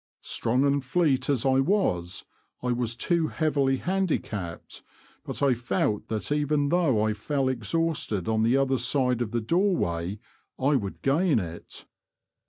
Strong and fleet as I was I was too heavily handi capped, but I felt that even though I fell exhausted on the other side of the door way, I would gain it.